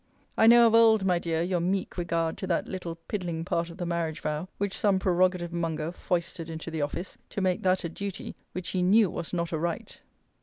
I know of old, my dear, your meek regard to that little piddling part of the marriage vow which some prerogative monger foisted into the office, to make that a duty, which he knew was not a right.